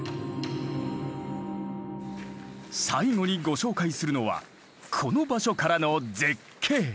最後にご紹介するのはこの場所からの絶景。